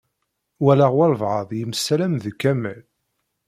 Walaɣ walebɛaḍ yemsalam d Kamal.